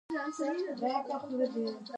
د افغانستان په منظره کې کندز سیند ښکاره دی.